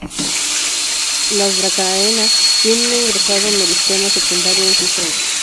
Las "Dracaena" tienen un engrosado meristema secundario en sus troncos.